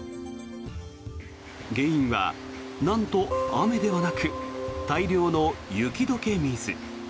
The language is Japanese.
原因はなんと雨ではなく大量の雪解け水。